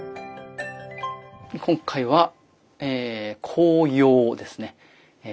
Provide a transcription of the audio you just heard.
今回は紅葉ですね。